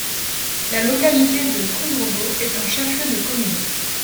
La localité de Kondrobo est un chef-lieu de commune.